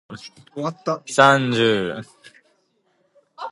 He currently holds the position of Hogwood Fellow with the Academy of Ancient Music.